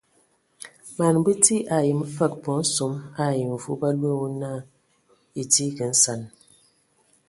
Man bəti ayəm fəg bɔ nsom ai mvu ba loe wo na edigi nsan.